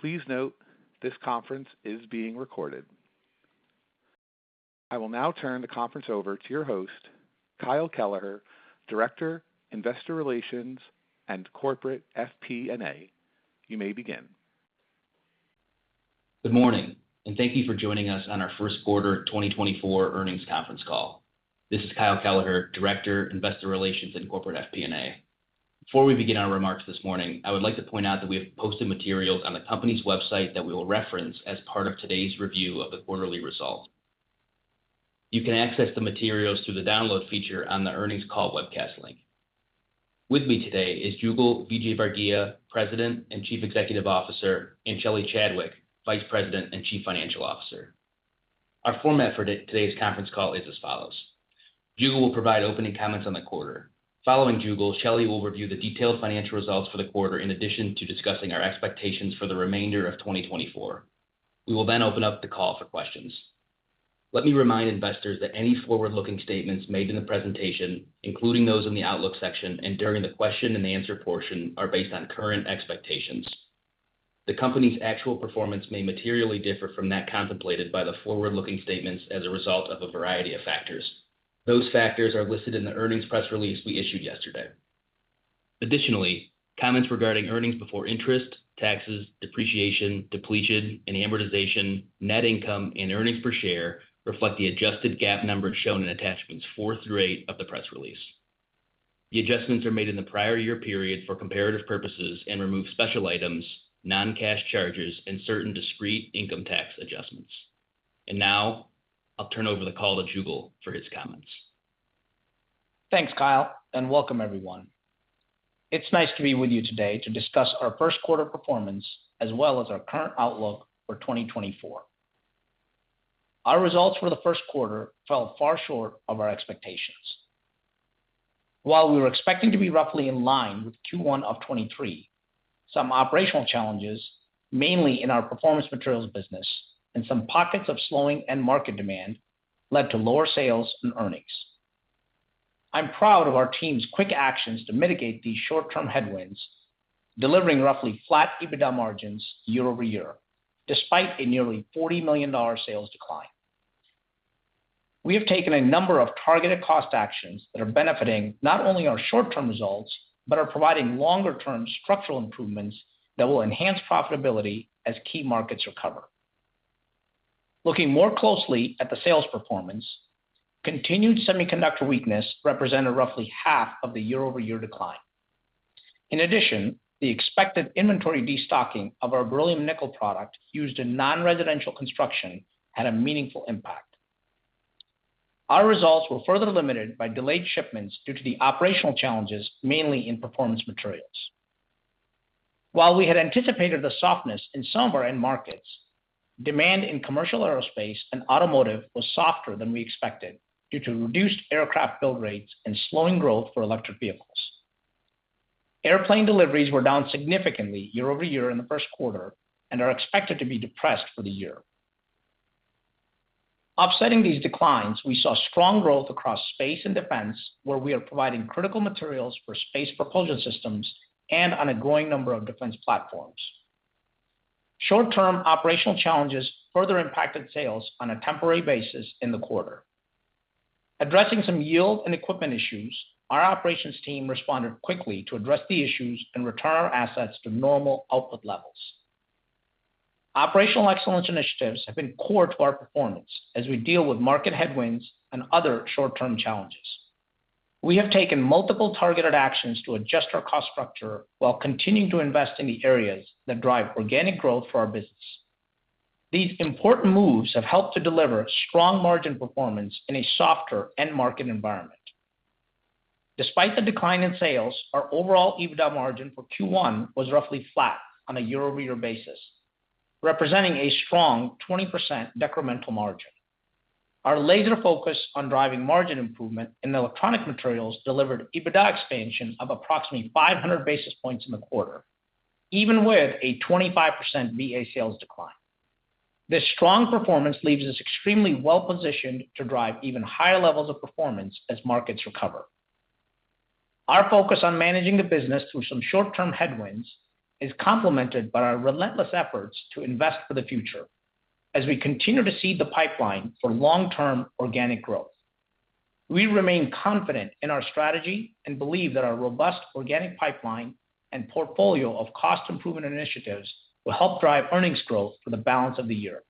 Please note, this conference is being recorded. I will now turn the conference over to your host, Kyle Kelleher, Director, Investor Relations and Corporate FP&A. You may begin. Good morning, and thank you for joining us on our first quarter 2024 earnings conference call. This is Kyle Kelleher, Director, Investor Relations and Corporate FP&A. Before we begin our remarks this morning, I would like to point out that we have posted materials on the company's website that we will reference as part of today's review of the quarterly results. You can access the materials through the download feature on the earnings call webcast link. With me today is Jugal Vijayvargiya, President and Chief Executive Officer, and Shelly Chadwick, Vice President and Chief Financial Officer. Our format for today's conference call is as follows: Jugal will provide opening comments on the quarter. Following Jugal, Shelley will review the detailed financial results for the quarter, in addition to discussing our expectations for the remainder of 2024. We will then open up the call for questions. Let me remind investors that any forward-looking statements made in the presentation, including those in the outlook section and during the question and answer portion, are based on current expectations. The company's actual performance may materially differ from that contemplated by the forward-looking statements as a result of a variety of factors. Those factors are listed in the earnings press release we issued yesterday. Additionally, comments regarding earnings before interest, taxes, depreciation, depletion, and amortization, net income, and earnings per share reflect the adjusted GAAP numbers shown in attachments four through eight of the press release. The adjustments are made in the prior year period for comparative purposes and remove special items, non-cash charges, and certain discrete income tax adjustments. Now, I'll turn over the call to Jugal for his comments. Thanks, Kyle, and welcome everyone. It's nice to be with you today to discuss our first quarter performance, as well as our current outlook for 2024. Our results for the first quarter fell far short of our expectations. While we were expecting to be roughly in line with Q1 of 2023, some operational challenges, mainly in our Performance Materials business and some pockets of slowing end market demand, led to lower sales and earnings. I'm proud of our team's quick actions to mitigate these short-term headwinds, delivering roughly flat EBITDA margins year-over-year, despite a nearly $40 million sales decline. We have taken a number of targeted cost actions that are benefiting not only our short-term results, but are providing longer-term structural improvements that will enhance profitability as key markets recover. Looking more closely at the sales performance, continued semiconductor weakness represented roughly half of the year-over-year decline. In addition, the expected inventory destocking of our beryllium nickel product, used in non-residential construction, had a meaningful impact. Our results were further limited by delayed shipments due to the operational challenges, mainly in performance materials. While we had anticipated the softness in some of our end markets, demand in commercial aerospace and automotive was softer than we expected due to reduced aircraft build rates and slowing growth for electric vehicles. Airplane deliveries were down significantly year-over-year in the first quarter and are expected to be depressed for the year. Offsetting these declines, we saw strong growth across space and defense, where we are providing critical materials for space propulsion systems and on a growing number of defense platforms. Short-term operational challenges further impacted sales on a temporary basis in the quarter. Addressing some yield and equipment issues, our operations team responded quickly to address the issues and return our assets to normal output levels. Operational excellence initiatives have been core to our performance as we deal with market headwinds and other short-term challenges. We have taken multiple targeted actions to adjust our cost structure while continuing to invest in the areas that drive organic growth for our business. These important moves have helped to deliver strong margin performance in a softer end market environment. Despite the decline in sales, our overall EBITDA margin for Q1 was roughly flat on a year-over-year basis, representing a strong 20% decremental margin. Our laser focus on driving margin improvement in Electronic Materials delivered EBITDA expansion of approximately 500 basis points in the quarter, even with a 25% VA sales decline. This strong performance leaves us extremely well positioned to drive even higher levels of performance as markets recover. Our focus on managing the business through some short-term headwinds is complemented by our relentless efforts to invest for the future as we continue to seed the pipeline for long-term organic growth. We remain confident in our strategy and believe that our robust organic pipeline and portfolio of cost improvement initiatives will help drive earnings growth for the balance of the year.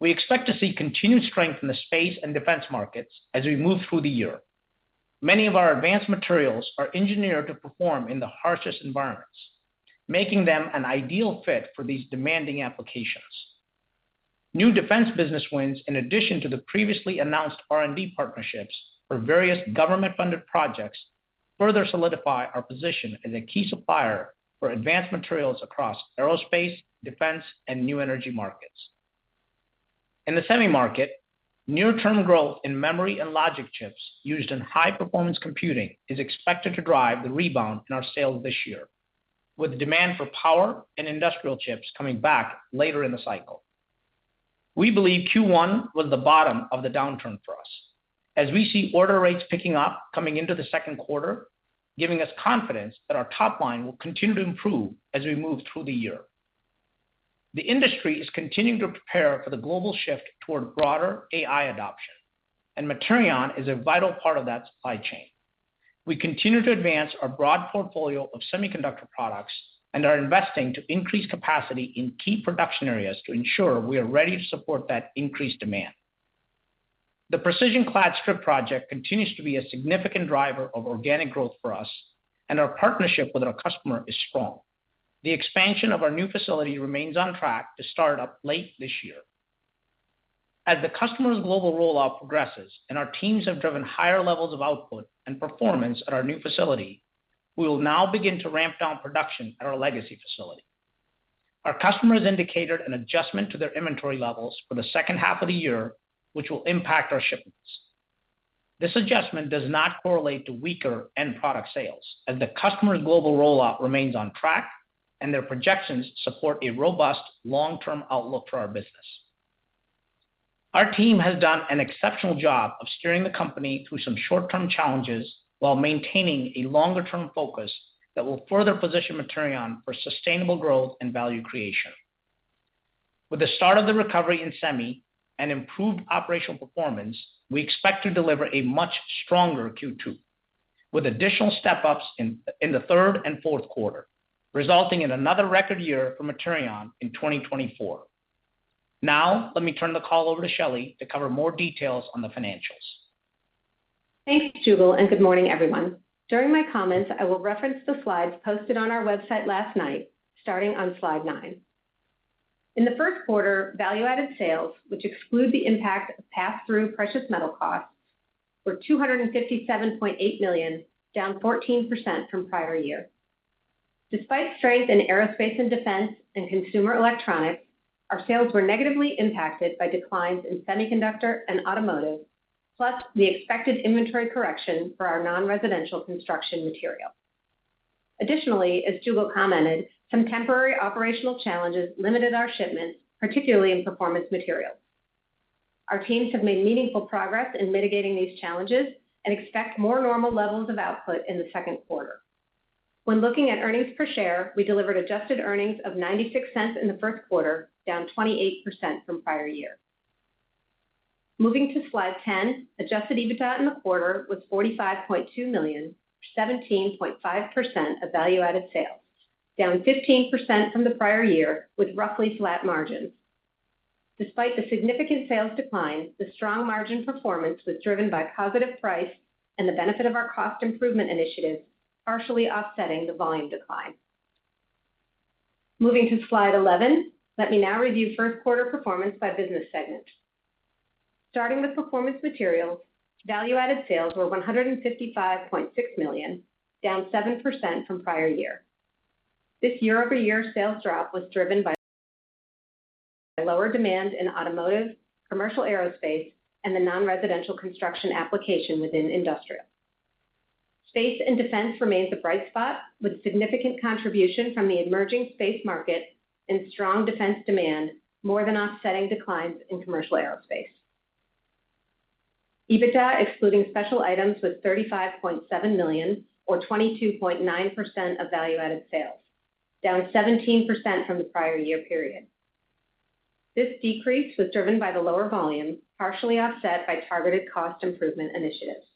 We expect to see continued strength in the space and defense markets as we move through the year. Many of our advanced materials are engineered to perform in the harshest environments, making them an ideal fit for these demanding applications. New defense business wins, in addition to the previously announced R&D partnerships for various government-funded projects, further solidify our position as a key supplier for advanced materials across aerospace, defense, and new energy markets. In the semi market, near-term growth in memory and logic chips used in high-performance computing is expected to drive the rebound in our sales this year, with demand for power and industrial chips coming back later in the cycle... We believe Q1 was the bottom of the downturn for us, as we see order rates picking up coming into the second quarter, giving us confidence that our top line will continue to improve as we move through the year. The industry is continuing to prepare for the global shift toward broader AI adoption, and Materion is a vital part of that supply chain. We continue to advance our broad portfolio of semiconductor products and are investing to increase capacity in key production areas to ensure we are ready to support that increased demand. The Precision Clad Strip project continues to be a significant driver of organic growth for us, and our partnership with our customer is strong. The expansion of our new facility remains on track to start up late this year. As the customer's global rollout progresses and our teams have driven higher levels of output and performance at our new facility, we will now begin to ramp down production at our legacy facility. Our customers indicated an adjustment to their inventory levels for the second half of the year, which will impact our shipments. This adjustment does not correlate to weaker end product sales, as the customer's global rollout remains on track, and their projections support a robust, long-term outlook for our business. Our team has done an exceptional job of steering the company through some short-term challenges while maintaining a longer-term focus that will further position Materion for sustainable growth and value creation. With the start of the recovery in semi and improved operational performance, we expect to deliver a much stronger Q2, with additional step-ups in the third and fourth quarter, resulting in another record year for Materion in 2024. Now, let me turn the call over to Shelley to cover more details on the financials. Thanks, Jugal, and good morning, everyone. During my comments, I will reference the slides posted on our website last night, starting on slide nine. In the first quarter, value-added sales, which exclude the impact of Pass-Through Precious Metal Costs, were $257.8 million, down 14% from prior year. Despite strength in aerospace and defense and consumer electronics, our sales were negatively impacted by declines in semiconductor and automotive, plus the expected inventory correction for our non-residential construction material. Additionally, as Jugal commented, some temporary operational challenges limited our shipments, particularly in performance materials. Our teams have made meaningful progress in mitigating these challenges and expect more normal levels of output in the second quarter. When looking at earnings per share, we delivered adjusted earnings of $0.96 in the first quarter, down 28% from prior year. Moving to slide 10, Adjusted EBITDA in the quarter was $45.2 million, 17.5% of value-added sales, down 15% from the prior year, with roughly flat margins. Despite the significant sales decline, the strong margin performance was driven by positive price and the benefit of our cost improvement initiatives, partially offsetting the volume decline. Moving to slide 11, let me now review first quarter performance by business segment. Starting with performance materials, value-added sales were $155.6 million, down 7% from prior year. This year-over-year sales drop was driven by lower demand in automotive, commercial aerospace, and the non-residential construction application within industrial. Space and defense remains a bright spot, with significant contribution from the emerging space market and strong defense demand, more than offsetting declines in commercial aerospace. EBITDA, excluding special items, was $35.7 million, or 22.9% of value-added sales, down 17% from the prior year period. This decrease was driven by the lower volume, partially offset by targeted cost improvement initiatives.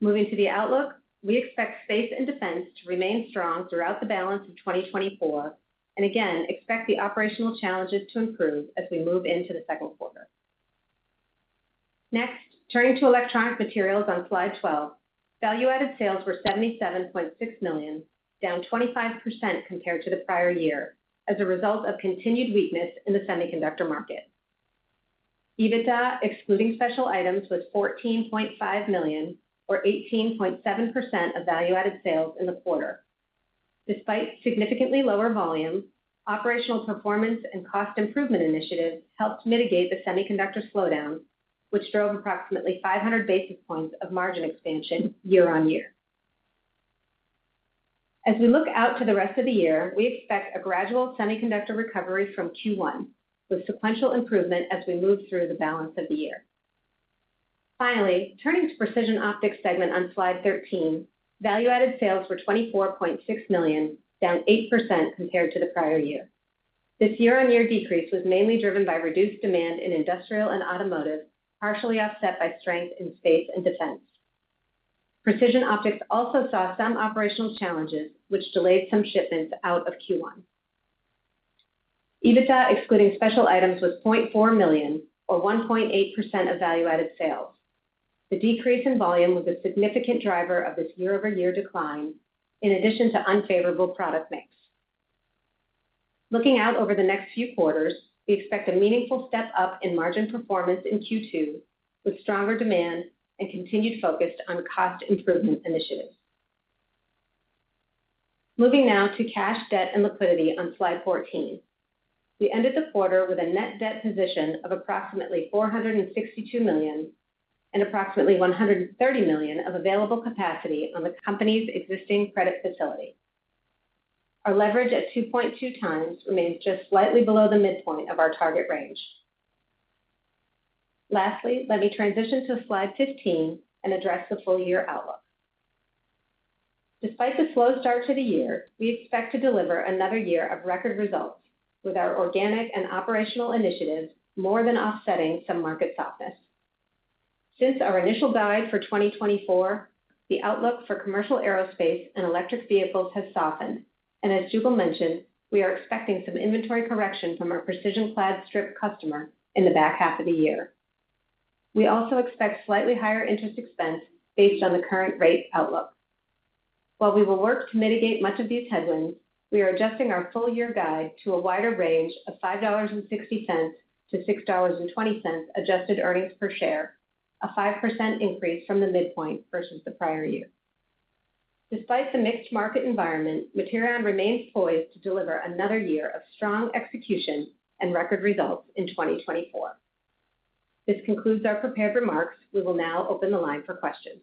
Moving to the outlook, we expect space and defense to remain strong throughout the balance of 2024, and again, expect the operational challenges to improve as we move into the second quarter. Next, turning to electronic materials on slide 12. Value-added sales were $77.6 million, down 25% compared to the prior year, as a result of continued weakness in the semiconductor market. EBITDA, excluding special items, was $14.5 million, or 18.7% of value-added sales in the quarter. Despite significantly lower volume, operational performance and cost improvement initiatives helped mitigate the semiconductor slowdown, which drove approximately 500 basis points of margin expansion year-on-year. As we look out to the rest of the year, we expect a gradual semiconductor recovery from Q1, with sequential improvement as we move through the balance of the year. Finally, turning to Precision Optics segment on slide 13, value-added sales were $24.6 million, down 8% compared to the prior year. This year-on-year decrease was mainly driven by reduced demand in industrial and automotive, partially offset by strength in space and defense. Precision Optics also saw some operational challenges, which delayed some shipments out of Q1. EBITDA, excluding special items, was $0.4 million, or 1.8% of value-added sales. The decrease in volume was a significant driver of this year-over-year decline, in addition to unfavorable product mix. Looking out over the next few quarters, we expect a meaningful step up in margin performance in Q2, with stronger demand and continued focus on cost improvement initiatives. Moving now to cash, debt, and liquidity on slide 14. We ended the quarter with a net debt position of approximately $462 million, and approximately $130 million of available capacity on the company's existing credit facility.... Our leverage at 2.2 times remains just slightly below the midpoint of our target range. Lastly, let me transition to slide 15 and address the full year outlook. Despite the slow start to the year, we expect to deliver another year of record results with our organic and operational initiatives, more than offsetting some market softness. Since our initial guide for 2024, the outlook for commercial aerospace and electric vehicles has softened, and as Jugal mentioned, we are expecting some inventory correction from our Precision Clad Strip customer in the back half of the year. We also expect slightly higher interest expense based on the current rate outlook. While we will work to mitigate much of these headwinds, we are adjusting our full year guide to a wider range of $5.60-$6.20 adjusted earnings per share, a 5% increase from the midpoint versus the prior year. Despite the mixed market environment, Materion remains poised to deliver another year of strong execution and record results in 2024. This concludes our prepared remarks. We will now open the line for questions.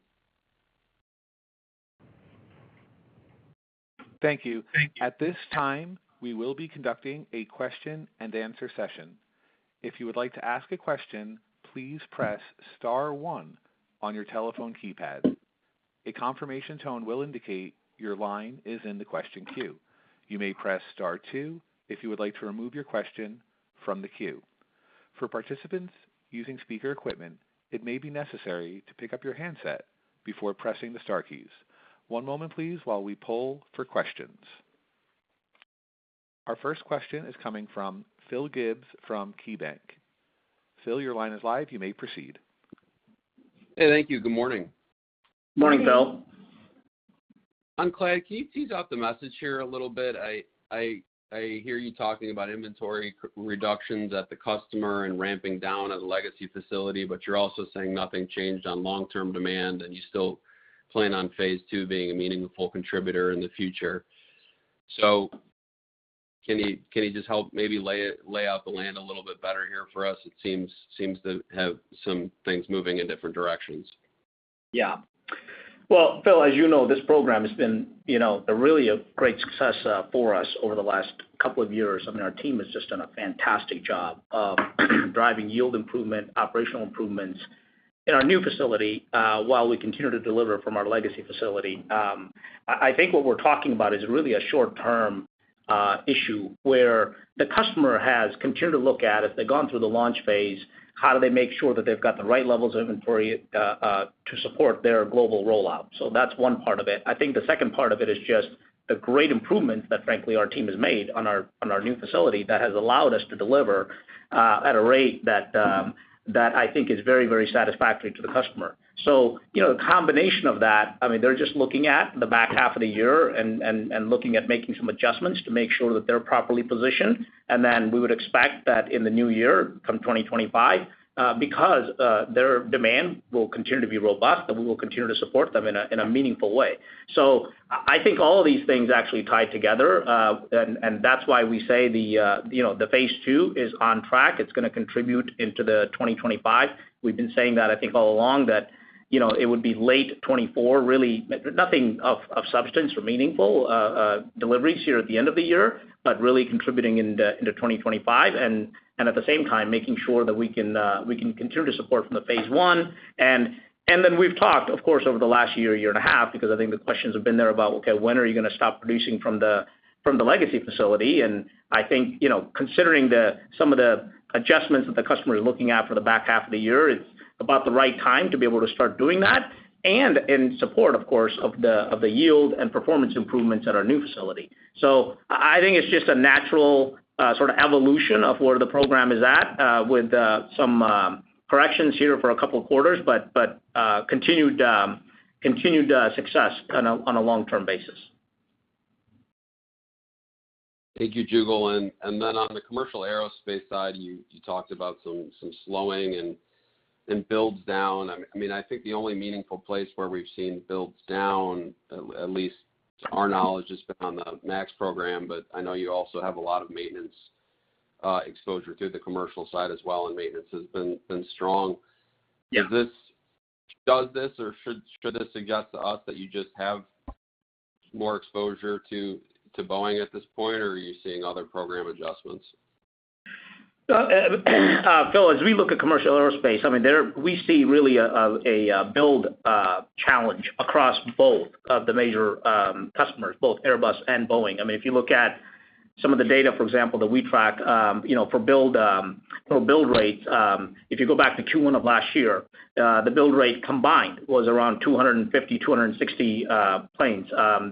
Thank you. At this time, we will be conducting a question-and-answer session. If you would like to ask a question, please press star one on your telephone keypad. A confirmation tone will indicate your line is in the question queue. You may press star two if you would like to remove your question from the queue. For participants using speaker equipment, it may be necessary to pick up your handset before pressing the star keys. One moment please, while we poll for questions. Our first question is coming from Phil Gibbs from KeyBanc. Phil, your line is live. You may proceed. Hey, thank you. Good morning. Morning, Phil. Clad, can you tease out the message here a little bit? I hear you talking about inventory reductions at the customer and ramping down at the legacy facility, but you're also saying nothing changed on long-term demand, and you still plan on phase two being a meaningful contributor in the future. So can you just help maybe lay out the land a little bit better here for us? It seems to have some things moving in different directions. Yeah. Well, Phil, as you know, this program has been, you know, really a great success for us over the last couple of years. I mean, our team has just done a fantastic job of driving yield improvement, operational improvements in our new facility while we continue to deliver from our legacy facility. I think what we're talking about is really a short-term issue, where the customer has continued to look at, as they've gone through the launch phase, how do they make sure that they've got the right levels of inventory to support their global rollout? So that's one part of it. I think the second part of it is just the great improvements that, frankly, our team has made on our, on our new facility that has allowed us to deliver at a rate that I think is very, very satisfactory to the customer. So, you know, the combination of that, I mean, they're just looking at the back half of the year and, and, and looking at making some adjustments to make sure that they're properly positioned. And then we would expect that in the new year, come 2025, because their demand will continue to be robust, that we will continue to support them in a, in a meaningful way. So I think all of these things actually tie together, and that's why we say the, you know, the phase two is on track. It's gonna contribute into 2025. We've been saying that, I think, all along, that, you know, it would be late 2024, really nothing of substance or meaningful deliveries here at the end of the year, but really contributing into 2025. And at the same time, making sure that we can continue to support from the phase one. Then we've talked, of course, over the last year, year and a half, because I think the questions have been there about: Okay, when are you going to stop producing from the legacy facility? I think, you know, considering some of the adjustments that the customer is looking at for the back half of the year, it's about the right time to be able to start doing that, and in support, of course, of the yield and performance improvements at our new facility. So I think it's just a natural sort of evolution of where the program is at, with some corrections here for a couple of quarters, but continued success on a long-term basis. Thank you, Jugal. And then on the commercial aerospace side, you talked about some slowing and builds down. I mean, I think the only meaningful place where we've seen builds down, at least to our knowledge, has been on the MAX program, but I know you also have a lot of maintenance exposure to the commercial side as well, and maintenance has been strong. Yeah. Does this or should this suggest to us that you just have more exposure to Boeing at this point, or are you seeing other program adjustments? Phil, as we look at commercial aerospace, I mean, there... We see really a build challenge across both of the major customers, both Airbus and Boeing. I mean, if you look at some of the data, for example, that we track, you know, for build rates, if you go back to Q1 of last year, the build rate combined was around 250, 260 planes.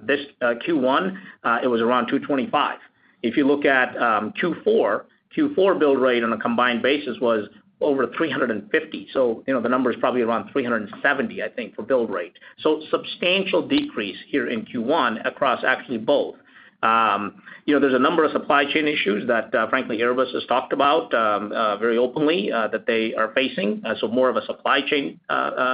This Q1, it was around 225. If you look at Q4, Q4 build rate on a combined basis was over 350. So, you know, the number is probably around 370, I think, for build rate. So substantial decrease here in Q1 across actually both.... You know, there's a number of supply chain issues that, frankly, Airbus has talked about, very openly, that they are facing, so more of a supply chain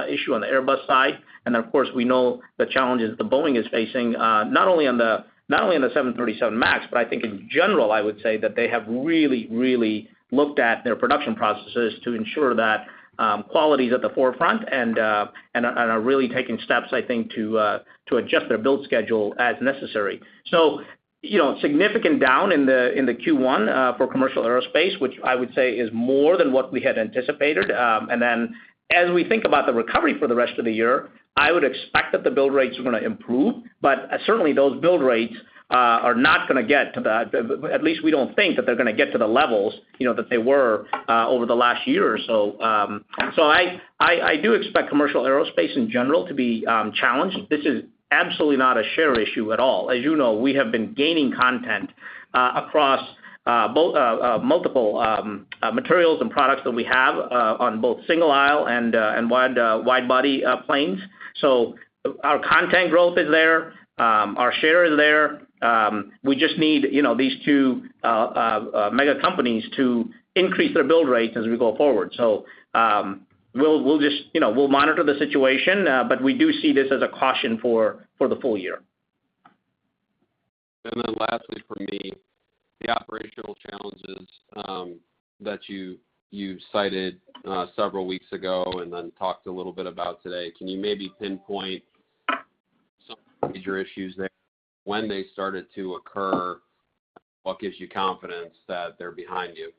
issue on the Airbus side. And of course, we know the challenges that Boeing is facing, not only on the 737 MAX, but I think in general, I would say that they have really, really looked at their production processes to ensure that, quality is at the forefront and, and are really taking steps, I think, to adjust their build schedule as necessary. So, you know, significant down in the Q1, for commercial aerospace, which I would say is more than what we had anticipated. And then as we think about the recovery for the rest of the year, I would expect that the build rates are gonna improve, but certainly, those build rates are not gonna get to the—at least we don't think that they're gonna get to the levels, you know, that they were over the last year or so. So I do expect commercial aerospace in general to be challenged. This is absolutely not a share issue at all. As you know, we have been gaining content across both multiple materials and products that we have on both single aisle and wide-body planes. So our content growth is there, our share is there. We just need, you know, these two mega companies to increase their build rates as we go forward. So, we'll just, you know, we'll monitor the situation, but we do see this as a caution for the full year. Lastly, for me, the operational challenges that you cited several weeks ago and then talked a little bit about today. Can you maybe pinpoint some of the major issues there, when they started to occur? What gives you confidence that they're behind you?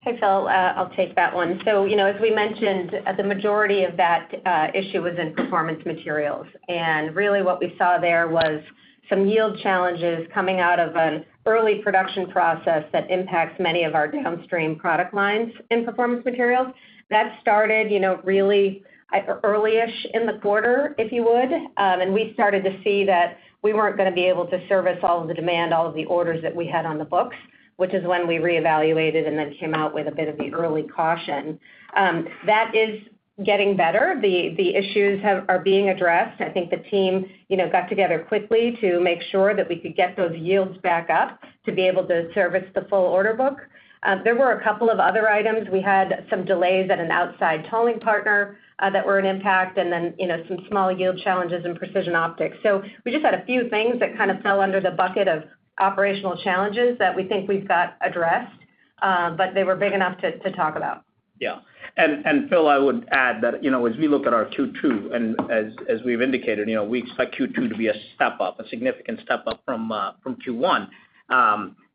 Hey, Phil, I'll take that one. So, you know, as we mentioned, the majority of that issue was in performance materials. And really what we saw there was some yield challenges coming out of an early production process that impacts many of our downstream product lines in performance materials. That started, you know, really, early-ish in the quarter, if you would. And we started to see that we weren't gonna be able to service all of the demand, all of the orders that we had on the books, which is when we reevaluated and then came out with a bit of the early caution. That is getting better. The issues are being addressed. I think the team, you know, got together quickly to make sure that we could get those yields back up to be able to service the full order book. There were a couple of other items. We had some delays at an outside tolling partner that were an impact, and then, you know, some small yield challenges in precision optics. So we just had a few things that kind of fell under the bucket of operational challenges that we think we've got addressed, but they were big enough to talk about. Yeah. And Phil, I would add that, you know, as we look at our Q2, and as we've indicated, you know, we expect Q2 to be a step up, a significant step up from Q1.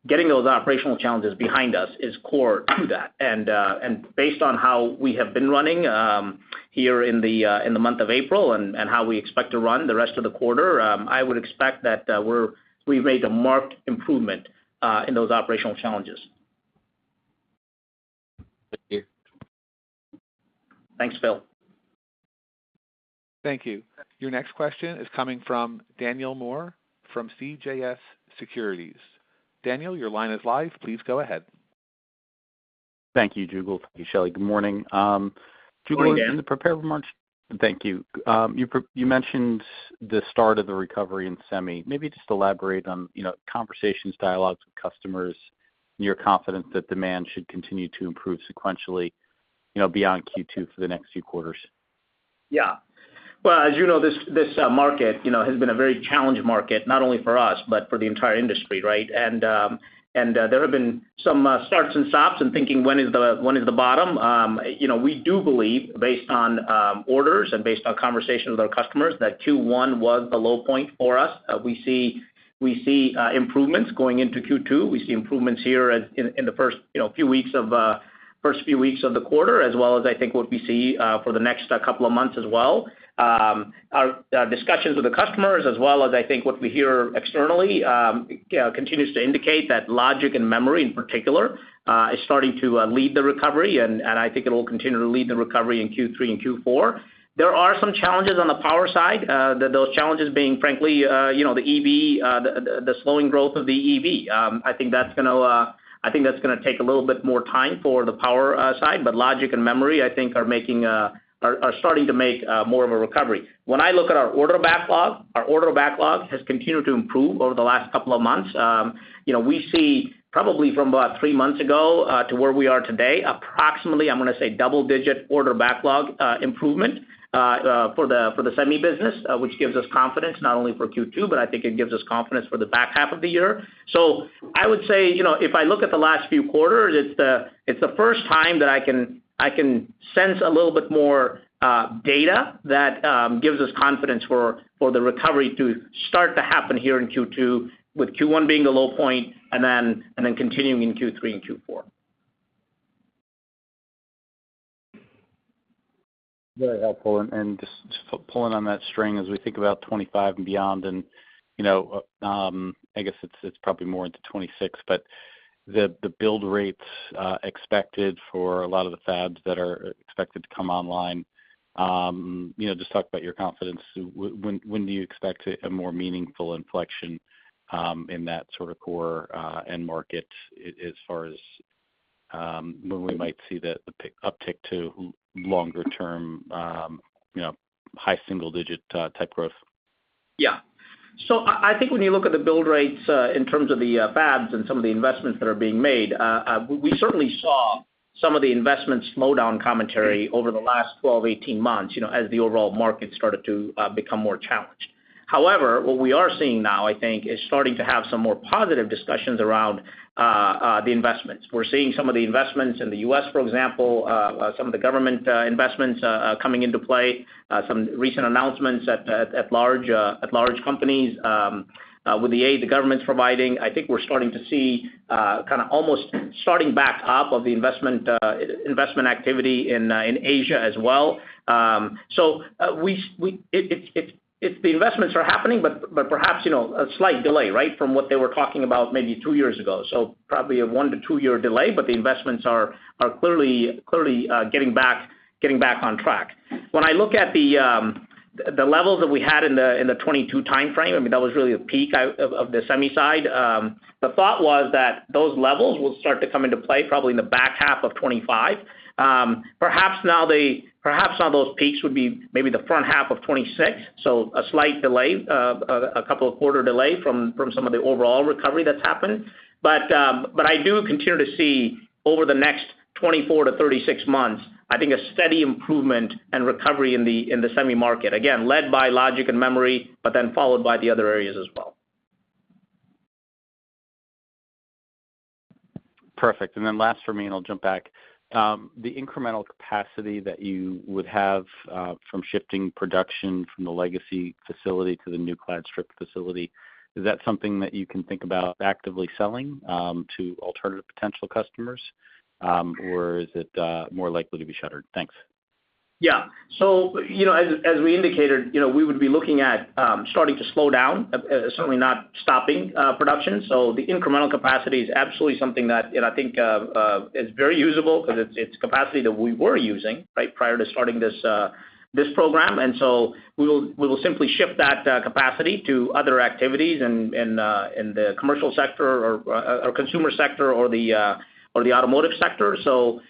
Getting those operational challenges behind us is core to that. And based on how we have been running here in the month of April and how we expect to run the rest of the quarter, I would expect that we've made a marked improvement in those operational challenges. Thank you. Thanks, Phil. Thank you. Your next question is coming from Daniel Moore, from CJS Securities. Daniel, your line is live. Please go ahead. Thank you, Jugal. Thank you, Shelley. Good morning, Jugal. Good morning again. In the prepared remarks... Thank you. You mentioned the start of the recovery in semi. Maybe just elaborate on, you know, conversations, dialogues with customers, and you're confident that demand should continue to improve sequentially, you know, beyond Q2 for the next few quarters. Yeah. Well, as you know, this market, you know, has been a very challenged market, not only for us, but for the entire industry, right? And there have been some starts and stops and thinking, when is the bottom? You know, we do believe, based on orders and based on conversations with our customers, that Q1 was the low point for us. We see improvements going into Q2. We see improvements here in the first few weeks of the quarter, as well as I think what we see for the next couple of months as well. Our discussions with the customers as well as I think what we hear externally continues to indicate that logic and memory, in particular, is starting to lead the recovery, and I think it will continue to lead the recovery in Q3 and Q4. There are some challenges on the power side, those challenges being, frankly, you know, the EV, the slowing growth of the EV. I think that's gonna take a little bit more time for the power side, but logic and memory, I think, are starting to make more of a recovery. When I look at our order backlog, our order backlog has continued to improve over the last couple of months. You know, we see probably from about three months ago to where we are today, approximately, I'm gonna say, double-digit order backlog improvement for the, for the semi business, which gives us confidence not only for Q2, but I think it gives us confidence for the back half of the year. So I would say, you know, if I look at the last few quarters, it's the, it's the first time that I can, I can sense a little bit more data that gives us confidence for, for the recovery to start to happen here in Q2, with Q1 being the low point and then, and then continuing in Q3 and Q4. Very helpful, and just pulling on that string as we think about 2025 and beyond, and, you know, I guess it's probably more into 2026, but the build rates expected for a lot of the fabs that are expected to come online, you know, just talk about your confidence. When do you expect a more meaningful inflection in that sort of core end market as far as EV? When we might see the uptick to longer term, you know, high single digit type growth? Yeah. So I think when you look at the build rates in terms of the fabs and some of the investments that are being made, we certainly saw some of the investment slowdown commentary over the last 12-18 months, you know, as the overall market started to become more challenged. However, what we are seeing now, I think, is starting to have some more positive discussions around the investments. We're seeing some of the investments in the US, for example, some of the government investments coming into play, some recent announcements at large companies with the aid the government's providing. I think we're starting to see kind of almost starting back up of the investment activity in Asia as well. So, the investments are happening, but perhaps, you know, a slight delay, right? From what they were talking about maybe two years ago. So probably a one- to two-year delay, but the investments are clearly getting back on track. When I look at the levels that we had in the 2022 timeframe, I mean, that was really a peak out of the semi side. The thought was that those levels will start to come into play probably in the back half of 2025. Perhaps now those peaks would be maybe the front half of 2026, so a slight delay, a couple of quarter delay from some of the overall recovery that's happened. But I do continue to see over the next 24-36 months, I think, a steady improvement and recovery in the semi market. Again, led by logic and memory, but then followed by the other areas as well. Perfect. And then last for me, and I'll jump back. The incremental capacity that you would have from shifting production from the legacy facility to the new clad strip facility, is that something that you can think about actively selling to alternative potential customers, or is it more likely to be shuttered? Thanks. Yeah. So, you know, as, as we indicated, you know, we would be looking at starting to slow down, certainly not stopping, production. So the incremental capacity is absolutely something that, and I think, is very usable because it's, it's capacity that we were using, right, prior to starting this, this program. And so we will, we will simply shift that capacity to other activities and, and, in the commercial sector or, or consumer sector or the, or the automotive sector. So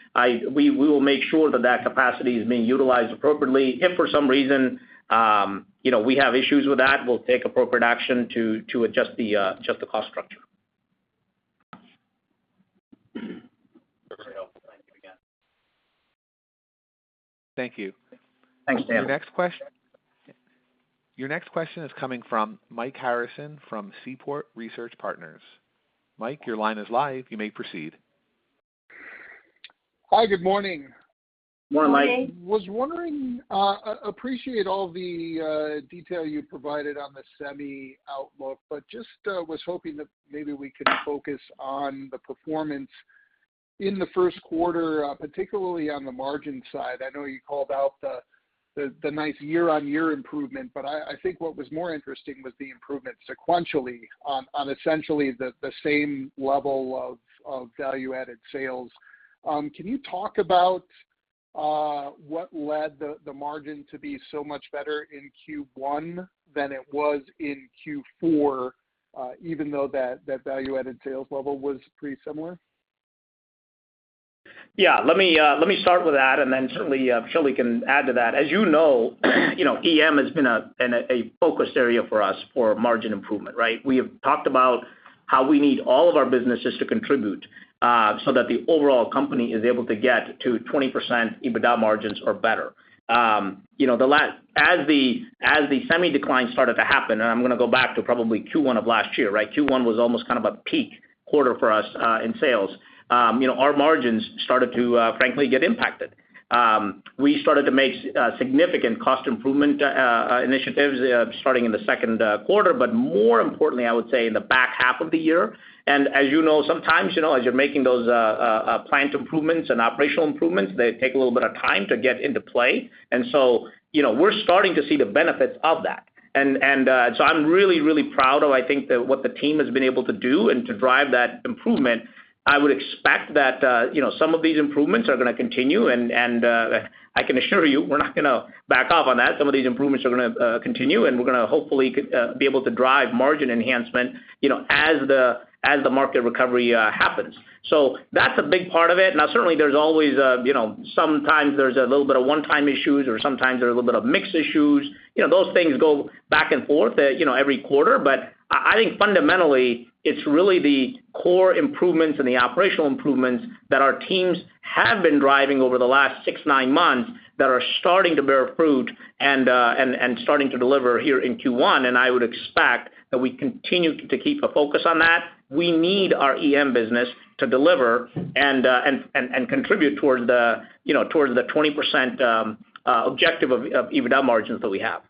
we, we will make sure that that capacity is being utilized appropriately. If for some reason, you know, we have issues with that, we'll take appropriate action to, to adjust the, adjust the cost structure. Very helpful. Thank you again. Thank you. Thanks, Dan. Your next question is coming from Mike Harrison from Seaport Research Partners. Mike, your line is live, you may proceed. Hi, good morning. Good morning. Was wondering, appreciate all the detail you provided on the semi outlook, but just was hoping that maybe we could focus on the performance in the first quarter, particularly on the margin side. I know you called out the nice year-on-year improvement, but I think what was more interesting was the improvement sequentially on essentially the same level of value-added sales. Can you talk about what led the margin to be so much better in Q1 than it was in Q4, even though that value-added sales level was pretty similar? Yeah, let me start with that, and then certainly, Shelley can add to that. As you know, EM has been a focused area for us for margin improvement, right? We have talked about how we need all of our businesses to contribute, so that the overall company is able to get to 20% EBITDA margins or better. You know, as the semi decline started to happen, and I'm gonna go back to probably Q1 of last year, right? Q1 was almost kind of a peak quarter for us in sales. You know, our margins started to frankly get impacted. We started to make significant cost improvement initiatives, starting in the second quarter, but more importantly, I would say, in the back half of the year. As you know, sometimes, you know, as you're making those plant improvements and operational improvements, they take a little bit of time to get into play. And so, you know, we're starting to see the benefits of that. So I'm really, really proud of, I think, what the team has been able to do and to drive that improvement. I would expect that, you know, some of these improvements are gonna continue, and I can assure you, we're not gonna back off on that. Some of these improvements are gonna continue, and we're gonna hopefully be able to drive margin enhancement, you know, as the, as the market recovery happens. So that's a big part of it. Now, certainly, there's always, you know, sometimes there's a little bit of one-time issues, or sometimes there's a little bit of mix issues. You know, those things go back and forth, you know, every quarter. But I, I think fundamentally, it's really the core improvements and the operational improvements that our teams have been driving over the last six, nine months, that are starting to bear fruit and, and, and starting to deliver here in Q1. And I would expect that we continue to keep a focus on that. We need our EM business to deliver and, and, and, and contribute towards the, you know, towards the 20%, objective of, of EBITDA margins that we have.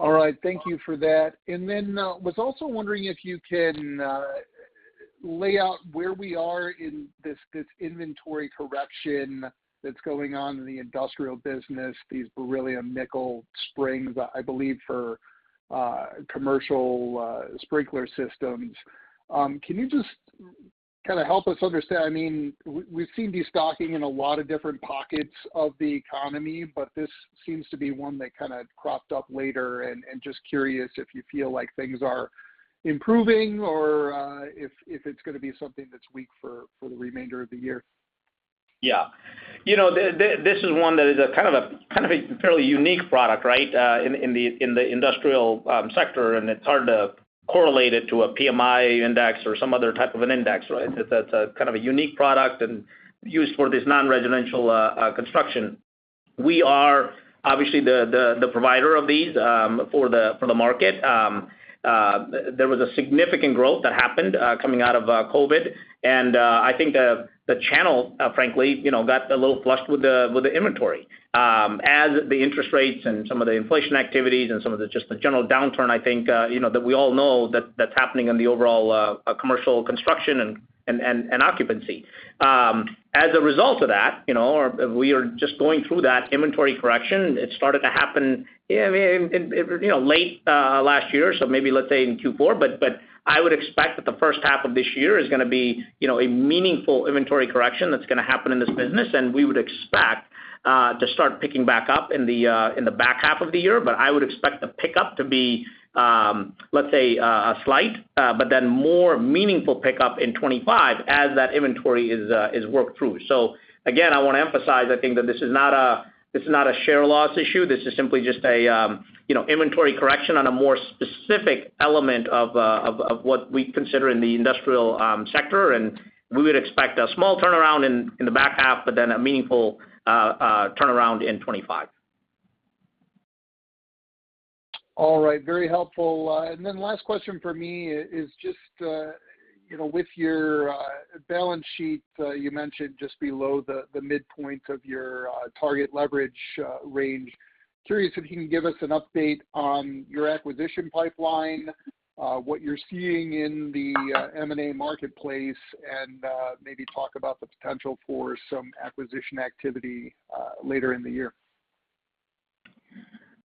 All right. Thank you for that. And then was also wondering if you can lay out where we are in this, this inventory correction that's going on in the industrial business, these Beryllium Nickel springs, I believe, for commercial sprinkler systems. Can you kind of help us understand. I mean, we've seen destocking in a lot of different pockets of the economy, but this seems to be one that kind of cropped up later, and just curious if you feel like things are improving or if it's gonna be something that's weak for the remainder of the year? Yeah. You know, this is one that is kind of a fairly unique product, right? In the industrial sector, and it's hard to correlate it to a PMI index or some other type of an index, right? That's kind of a unique product and used for this non-residential construction. We are obviously the provider of these for the market. There was a significant growth that happened coming out of COVID, and I think the channel frankly, you know, got a little flushed with the inventory. As the interest rates and some of the inflation activities and some of the just the general downturn, I think, you know, that we all know that that's happening in the overall, commercial construction and, and occupancy. As a result of that, you know, we are just going through that inventory correction. It started to happen, I mean, in, you know, late, last year, so maybe let's say in Q4. But, but I would expect that the first half of this year is gonna be, you know, a meaningful inventory correction that's gonna happen in this business, and we would expect, to start picking back up in the, in the back half of the year. But I would expect the pickup to be, let's say, slight, but then more meaningful pickup in 2025 as that inventory is worked through. So again, I wanna emphasize, I think that this is not a-- this is not a share loss issue. This is simply just a, you know, inventory correction on a more specific element of what we consider in the industrial sector, and we would expect a small turnaround in the back half, but then a meaningful turnaround in 2025. All right. Very helpful. And then last question for me is just, you know, with your balance sheet, you mentioned just below the midpoint of your target leverage range. Curious if you can give us an update on your acquisition pipeline, what you're seeing in the M&A marketplace, and maybe talk about the potential for some acquisition activity later in the year?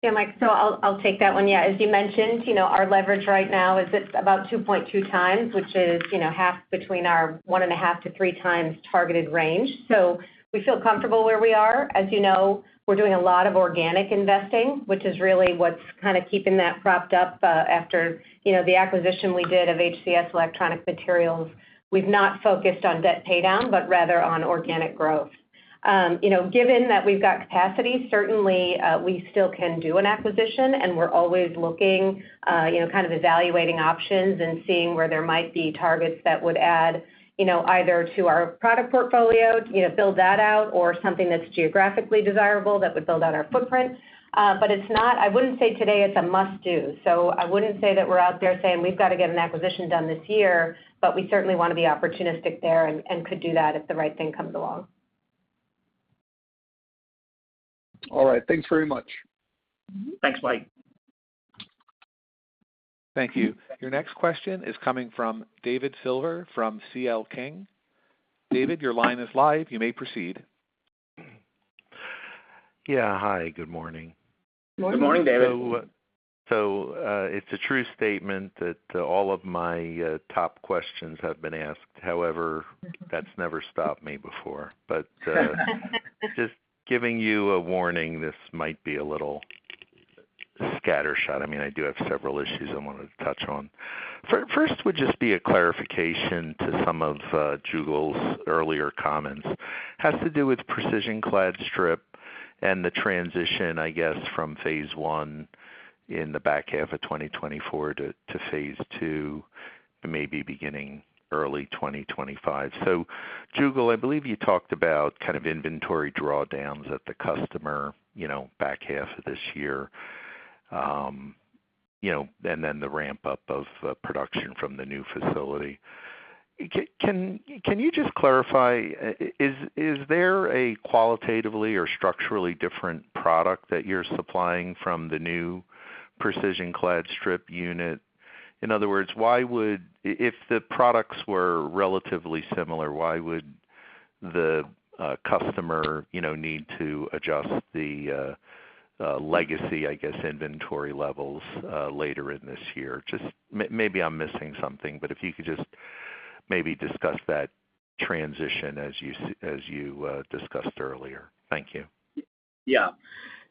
Yeah, Mike, so I'll, I'll take that one. Yeah. As you mentioned, you know, our leverage right now is it's about 2.2 times, which is, you know, half between our 1.5-3 times targeted range. So we feel comfortable where we are. As you know, we're doing a lot of organic investing, which is really what's kind of keeping that propped up, after, you know, the acquisition we did of HCS Electronic Materials. We've not focused on debt paydown, but rather on organic growth. You know, given that we've got capacity, certainly, we still can do an acquisition, and we're always looking, you know, kind of evaluating options and seeing where there might be targets that would add, you know, either to our product portfolio, you know, build that out, or something that's geographically desirable that would build out our footprint. But it's not... I wouldn't say today it's a must-do. So I wouldn't say that we're out there saying we've got to get an acquisition done this year, but we certainly want to be opportunistic there and, and could do that if the right thing comes along. All right. Thanks very much. Thanks, Mike. Thank you. Your next question is coming from David Silver, from CL King. David, your line is live. You may proceed. Yeah. Hi, good morning. Good morning, David. So, it's a true statement that all of my top questions have been asked. However, that's never stopped me before. But just giving you a warning, this might be a little scattershot. I mean, I do have several issues I wanted to touch on. First would just be a clarification to some of Jugal's earlier comments. Has to do with Precision Clad Strip and the transition, I guess, from phase one in the back half of 2024 to phase two, maybe beginning early 2025. So Jugal, I believe you talked about kind of inventory drawdowns at the customer, you know, back half of this year, you know, and then the ramp-up of production from the new facility. Can you just clarify, is there a qualitatively or structurally different product that you're supplying from the new precision clad strip unit? In other words, why would... if the products were relatively similar, why would the customer, you know, need to adjust the legacy, I guess, inventory levels later in this year? Just maybe I'm missing something, but if you could just maybe discuss that transition as you discussed earlier. Thank you. Yeah.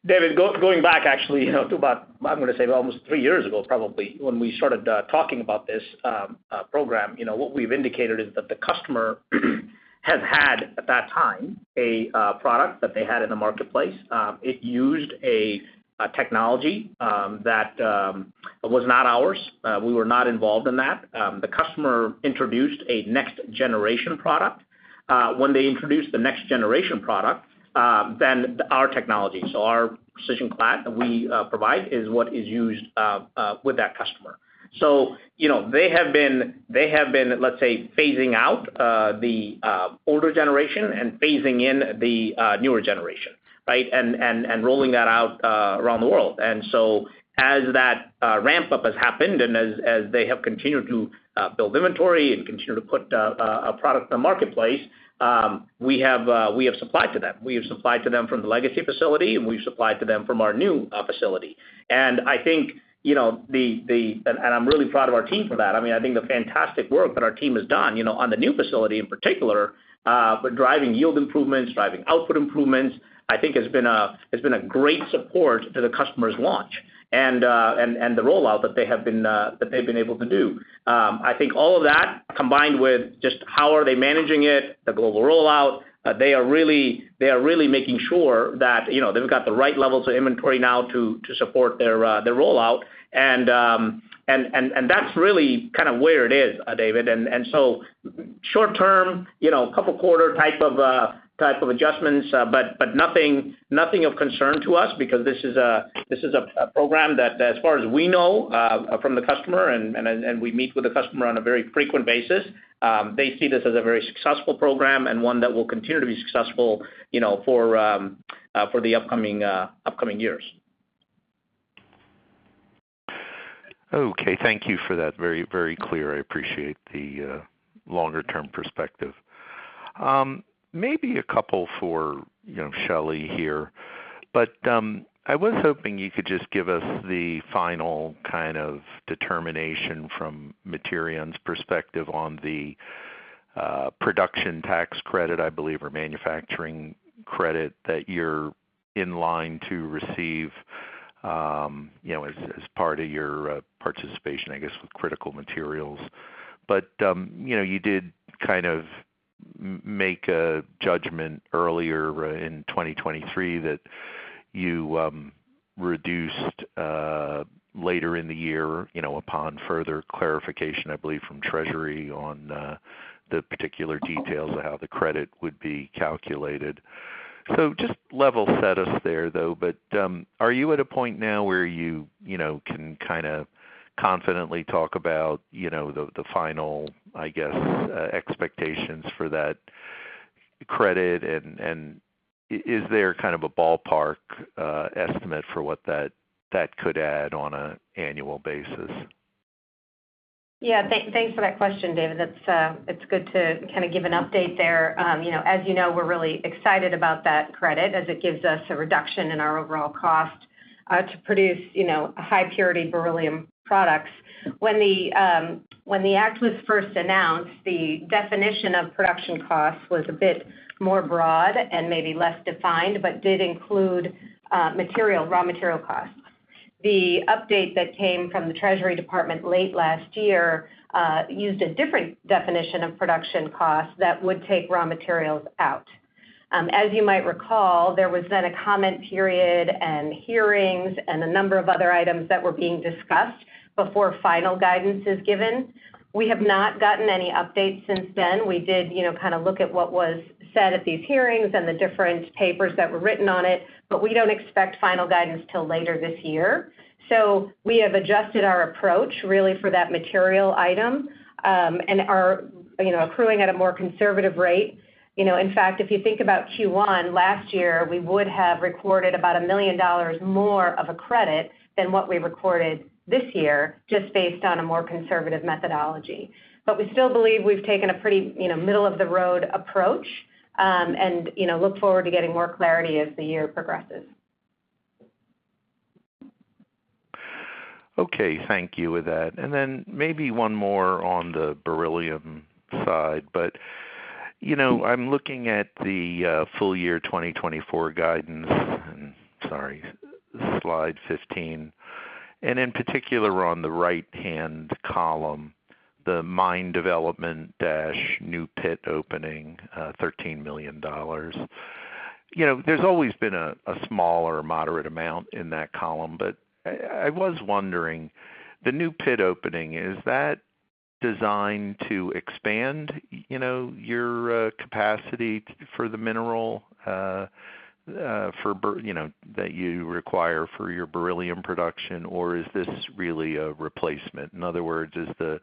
David, going back actually, you know, to about, I'm gonna say almost three years ago, probably, when we started talking about this program, you know, what we've indicated is that the customer has had, at that time, a product that they had in the marketplace. It used a technology that was not ours. We were not involved in that. The customer introduced a next-generation product. When they introduced the next-generation product, then our technology, so our precision clad that we provide, is what is used with that customer. So you know, they have been, they have been, let's say, phasing out the older generation and phasing in the newer generation, right? And, and, and rolling that out around the world. And so as that ramp-up has happened, and as they have continued to build inventory and continue to put a product in the marketplace, we have supplied to them. We have supplied to them from the legacy facility, and we've supplied to them from our new facility. And I think, you know, and I'm really proud of our team for that. I mean, I think the fantastic work that our team has done, you know, on the new facility in particular, but driving yield improvements, driving output improvements, I think has been a great support to the customer's launch and the rollout that they've been able to do. I think all of that, combined with just how are they managing it, the global rollout, they are really making sure that, you know, they've got the right levels of inventory now to support their rollout. And that's really kind of where it is, David. And so short term, you know, couple quarter type of adjustments, but nothing of concern to us because this is a program that, as far as we know, from the customer, we meet with the customer on a very frequent basis, they see this as a very successful program and one that will continue to be successful, you know, for the upcoming years. Okay. Thank you for that. Very, very clear. I appreciate the longer-term perspective. Maybe a couple for, you know, Shelley here. But I was hoping you could just give us the final kind of determination from Materion's perspective on the Production Tax Credit, I believe, or manufacturing credit that you're in line to receive, you know, as part of your participation, I guess, with critical materials. But you know, you did kind of make a judgment earlier in 2023 that you reduced later in the year, you know, upon further clarification, I believe, from Treasury on the particular details of how the credit would be calculated. So just level set us there, though, but, are you at a point now where you, you know, can kind of confidently talk about, you know, the, the final, I guess, expectations for that credit? And, and is there kind of a ballpark estimate for what that, that could add on an annual basis? Yeah. Thanks for that question, David. It's, it's good to kind of give an update there. You know, as you know, we're really excited about that credit as it gives us a reduction in our overall cost to produce, you know, high purity beryllium products. When the, when the act was first announced, the definition of production costs was a bit more broad and maybe less defined, but did include, material, raw material costs. The update that came from the Treasury Department late last year, used a different definition of production costs that would take raw materials out. As you might recall, there was then a comment period and hearings and a number of other items that were being discussed before final guidance is given. We have not gotten any updates since then. We did, you know, kind of look at what was said at these hearings and the different papers that were written on it, but we don't expect final guidance till later this year. So we have adjusted our approach really for that material item, and are, you know, accruing at a more conservative rate. You know, in fact, if you think about Q1 last year, we would have recorded about $1 million more of a credit than what we recorded this year, just based on a more conservative methodology. But we still believe we've taken a pretty, you know, middle of the road approach, and, you know, look forward to getting more clarity as the year progresses. Okay. Thank you with that. And then maybe one more on the beryllium side. But, you know, I'm looking at the full year 2024 guidance, and sorry, slide 15, and in particular, on the right-hand column, the mine development - new pit opening, $13 million. You know, there's always been a small or a moderate amount in that column, but I was wondering, the new pit opening, is that designed to expand, you know, your capacity for the mineral, you know, that you require for your beryllium production, or is this really a replacement? In other words, is the...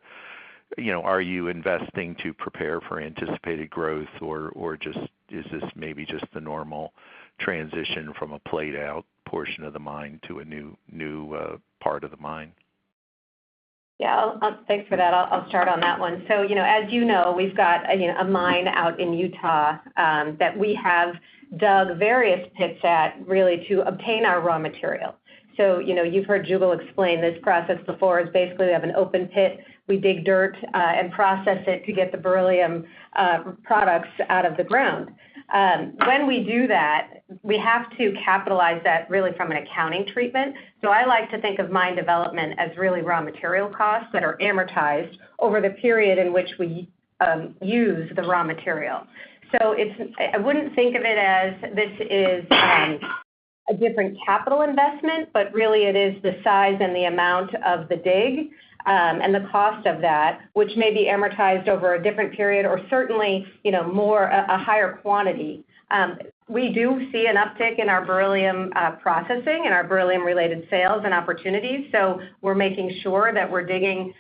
You know, are you investing to prepare for anticipated growth, or just is this maybe just the normal transition from a played out portion of the mine to a new part of the mine? Yeah, I'll-- Thanks for that. I'll start on that one. So, you know, as you know, we've got, you know, a mine out in Utah that we have dug various pits at, really, to obtain our raw material. So, you know, you've heard Jugal explain this process before. It's basically, we have an open pit. We dig dirt and process it to get the beryllium products out of the ground. When we do that, we have to capitalize that really from an accounting treatment. So I like to think of mine development as really raw material costs that are amortized over the period in which we use the raw material. So it's I wouldn't think of it as this is a different capital investment, but really it is the size and the amount of the dig and the cost of that, which may be amortized over a different period or certainly, you know, more a higher quantity. We do see an uptick in our beryllium processing and our beryllium-related sales and opportunities, so we're making sure that we're digging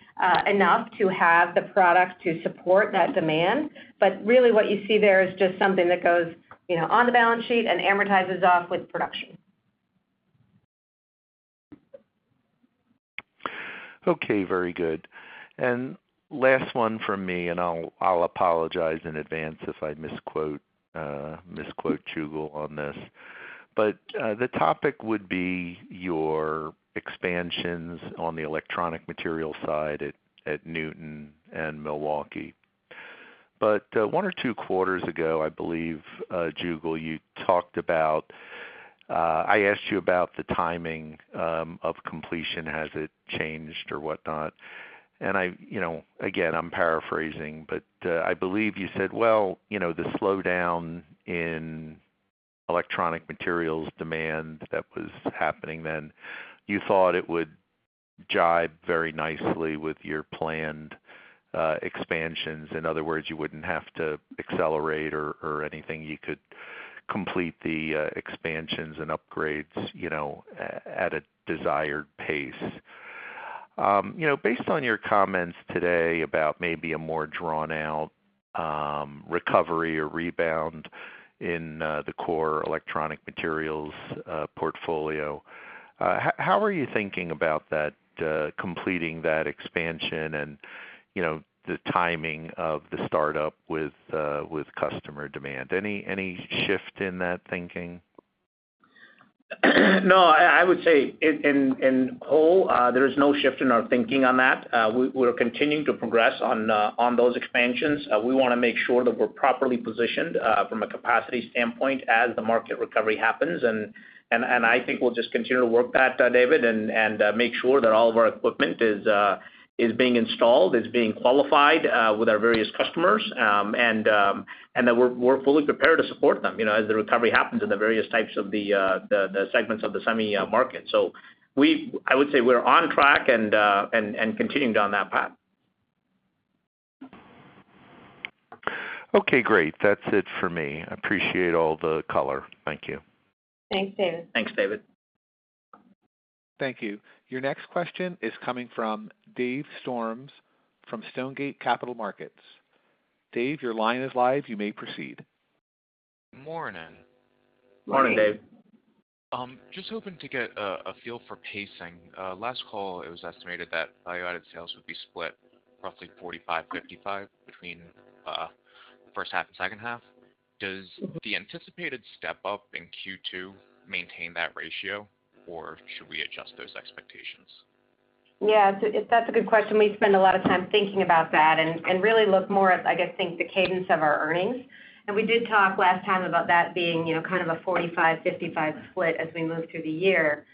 enough to have the product to support that demand. But really, what you see there is just something that goes, you know, on the balance sheet and amortizes off with production. Okay, very good. And last one from me, and I'll apologize in advance if I misquote Jugal on this, but the topic would be your expansions on the electronic material side at Newton and Milwaukee. But one or two quarters ago, I believe Jugal, you talked about I asked you about the timing of completion, has it changed or whatnot? And I, you know, again, I'm paraphrasing, but I believe you said, Well, you know, the slowdown in electronic materials demand that was happening then, you thought it would jibe very nicely with your planned expansions. In other words, you wouldn't have to accelerate or anything. You could complete the expansions and upgrades, you know, at a desired pace. You know, based on your comments today about maybe a more drawn-out recovery or rebound in the core electronic materials portfolio, how are you thinking about that completing that expansion and, you know, the timing of the startup with customer demand? Any shift in that thinking? No, I would say in whole, there is no shift in our thinking on that. We're continuing to progress on those expansions. We wanna make sure that we're properly positioned from a capacity standpoint as the market recovery happens. And I think we'll just continue to work that, David, and make sure that all of our equipment is being installed, is being qualified with our various customers, and that we're fully prepared to support them, you know, as the recovery happens in the various types of the segments of the semi market. I would say we're on track and continuing down that path. Okay, great. That's it for me. I appreciate all the color. Thank you. Thanks, David. Thanks, David. Thank you. Your next question is coming from Dave Storms, from Stonegate Capital Partners. Dave, your line is live, you may proceed. Morning. Morning, Dave. Just hoping to get a feel for pacing. Last call, it was estimated that Value-Added Sales would be split roughly 45-55 between the first half and second half. Does the anticipated step-up in Q2 maintain that ratio, or should we adjust those expectations? Yeah, so that's a good question. We spend a lot of time thinking about that and really look more at, I guess, think the cadence of our earnings. And we did talk last time about that being, you know, kind of a 45-55 split as we move through the year.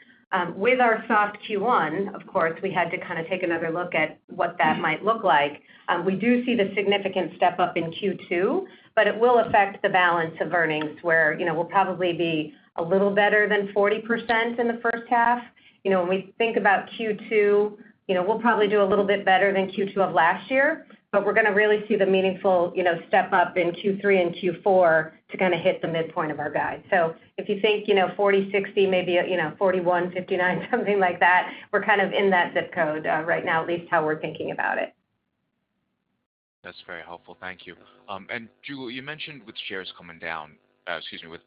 With our soft Q1, of course, we had to kind of take another look at what that might look like. We do see the significant step-up in Q2, but it will affect the balance of earnings, where, you know, we'll probably be a little better than 40% in the first half. You know, when we think about Q2, you know, we'll probably do a little bit better than Q2 of last year, but we're gonna really see the meaningful, you know, step-up in Q3 and Q4 to kind of hit the midpoint of our guide. So if you think, you know, 40-60, maybe, you know, 41-59, something like that, we're kind of in that zip code right now, at least how we're thinking about it. That's very helpful. Thank you. And Jugal, you mentioned with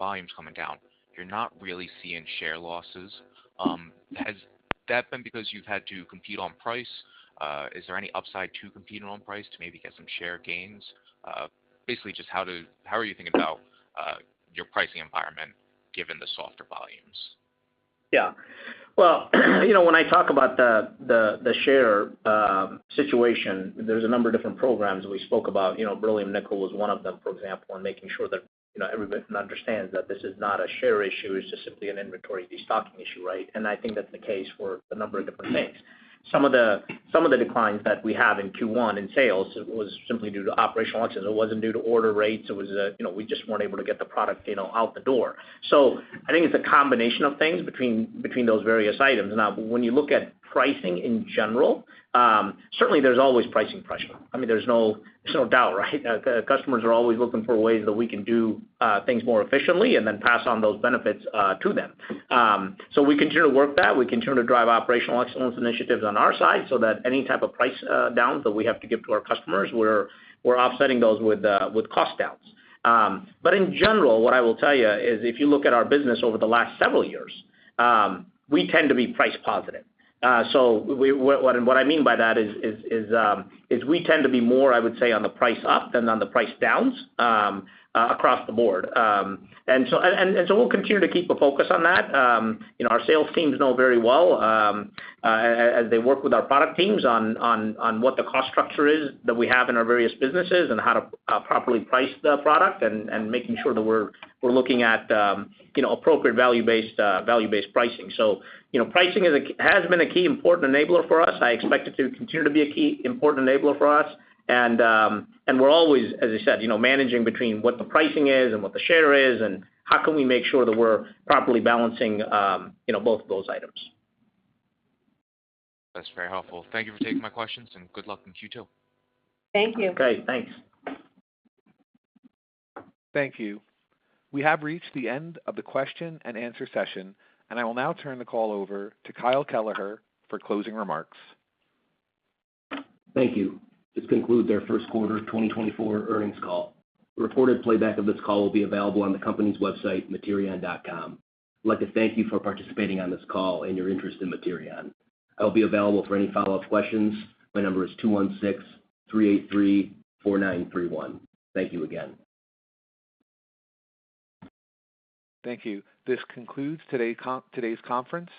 volumes coming down, you're not really seeing share losses. Has that been because you've had to compete on price? Is there any upside to competing on price to maybe get some share gains? Basically, just how are you thinking about your pricing environment, given the softer volumes? Yeah. Well, you know, when I talk about the share situation, there's a number of different programs we spoke about. You know, Beryllium Nickel was one of them, for example, and making sure that, you know, everybody understands that this is not a share issue, it's just simply an inventory destocking issue, right? And I think that's the case for a number of different things. Some of the declines that we have in Q1 in sales was simply due to operational launches. It wasn't due to order rates, it was, you know, we just weren't able to get the product, you know, out the door. So I think it's a combination of things between those various items. Now, when you look at pricing in general, certainly there's always pricing pressure. I mean, there's no, there's no doubt, right? Customers are always looking for ways that we can do things more efficiently and then pass on those benefits to them. So we continue to work that. We continue to drive operational excellence initiatives on our side, so that any type of price downs that we have to give to our customers, we're offsetting those with cost downs. But in general, what I will tell you is, if you look at our business over the last several years, we tend to be price positive. So we—what I mean by that is we tend to be more, I would say, on the price up than on the price downs across the board. And so we'll continue to keep a focus on that. You know, our sales teams know very well, as they work with our product teams on what the cost structure is that we have in our various businesses, and how to properly price the product, and making sure that we're looking at, you know, appropriate value-based pricing. So, you know, pricing has been a key important enabler for us. I expect it to continue to be a key important enabler for us. And we're always, as I said, you know, managing between what the pricing is and what the share is, and how can we make sure that we're properly balancing, you know, both of those items. That's very helpful. Thank you for taking my questions, and good luck in Q2. Thank you. Great. Thanks. Thank you. We have reached the end of the question and answer session, and I will now turn the call over to Kyle Kelleher for closing remarks. Thank you. This concludes our first quarter of 2024 earnings call. A recorded playback of this call will be available on the company's website, Materion.com. I'd like to thank you for participating on this call and your interest in Materion. I'll be available for any follow-up questions. My number is 216-383-4931. Thank you again. Thank you. This concludes today's conference.